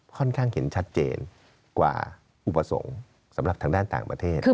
ค่อนข้างเห็นชัดเจนกว่าอุปสรรคสำหรับทางด้านต่างประเทศ